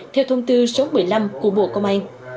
theo thông tư số một mươi năm của bộ công an